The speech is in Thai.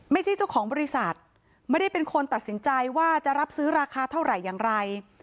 เจ้าของบริษัทไม่ได้เป็นคนตัดสินใจว่าจะรับซื้อราคาเท่าไหร่อย่างไร